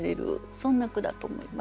そんな句だと思います。